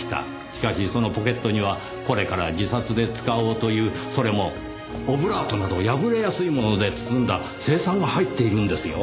しかしそのポケットにはこれから自殺で使おうというそれもオブラートなど破れやすいもので包んだ青酸が入っているんですよ。